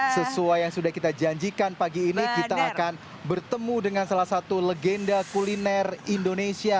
sesuai yang sudah kita janjikan pagi ini kita akan bertemu dengan salah satu legenda kuliner indonesia